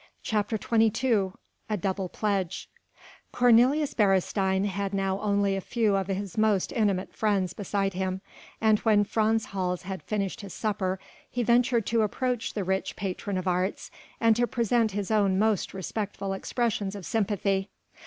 CHAPTER XXII A DOUBLE PLEDGE Cornelius Beresteyn had now only a few of his most intimate friends beside him, and when Frans Hals had finished his supper he ventured to approach the rich patron of arts and to present his own most respectful expressions of sympathy.